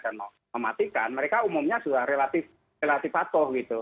dan mematikan mereka umumnya sudah relatif patuh gitu